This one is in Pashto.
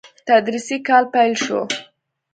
تدريسي کال پيل شو.